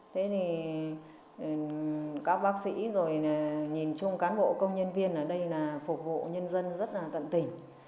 thế thì các bác sĩ rồi nhìn chung cán bộ công nhân viên ở đây là phục vụ nhân dân rất là tận tình